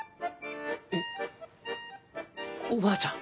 おおばあちゃん？